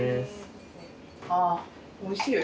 あおいしいよ。